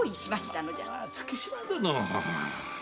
月島殿。